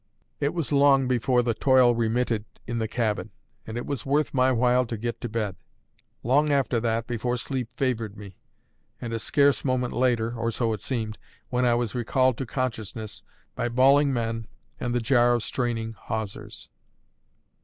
It was long before the toil remitted in the cabin, and it was worth my while to get to bed; long after that, before sleep favoured me; and scarce a moment later (or so it seemed) when I was recalled to consciousness by bawling men and the jar of straining hawsers.